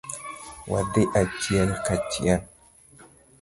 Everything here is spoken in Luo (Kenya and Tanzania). Wadhi achiel kachiel.